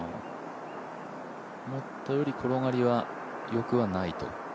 思ったより転がりはよくはないと。